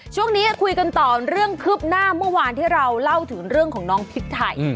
ช่วงนี้คุยกันต่อเรื่องคืบหน้าเมื่อวานที่เราเล่าถึงเรื่องของน้องพริกไทย